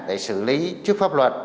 để xử lý trước pháp luật